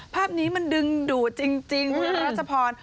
ภาพนี้มันดึงดูดจริงเพราะว่ารัชพร